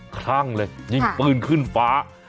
คลั่งเลยยิงปืนขึ้นฟ้า